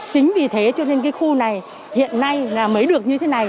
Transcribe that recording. chính vì thế cho nên cái khu này hiện nay mới được như thế này